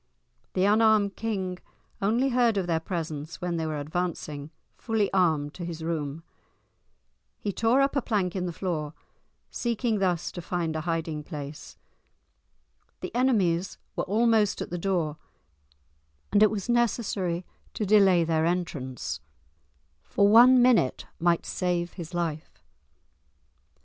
The unarmed king only heard of their presence when they were advancing, fully armed, to his room. He tore up a plank in the floor, seeking thus to find a hiding place. The enemies were almost at the door, and it was necessary to delay their entrance, for one minute might save his life.